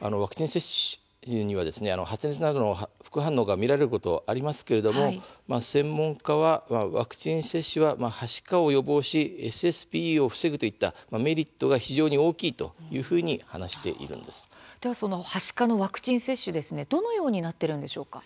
ワクチン接種には発熱などの副反応が見られることがありますが専門家はワクチン接種ははしかを予防しＳＳＰＥを防ぐといったメリットが非常に大きいはしかのワクチン接種どのようになっているんでしょうか。